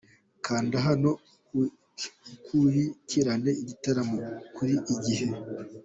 Kanda hano ukurikirane igitaramo kuri Igihe.